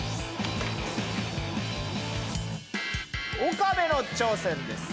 岡部の挑戦です。